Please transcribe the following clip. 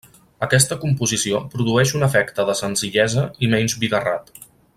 Aquesta composició produeix un efecte de senzillesa i menys bigarrat.